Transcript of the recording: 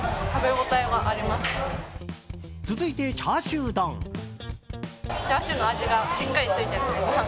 続いて、チャーシュー丼。